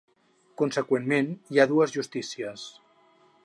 Consegüentment, hi ha dues justícies.